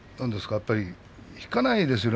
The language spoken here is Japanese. やっぱり引かないですよね